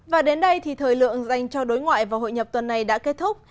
và đến đây thì thời lượng dành cho đối ngoại và hội nhập tuần này đã kết thúc